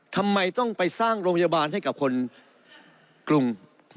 ทำไมต้องไปสร้างโรงพยาบาลให้กับคนกรุง